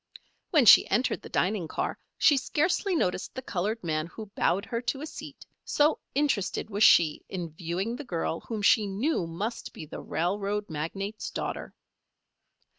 When she entered the dining car she scarcely noticed the colored man who bowed her to a seat, so interested was she in viewing the girl whom she knew must be the railroad magnate's daughter.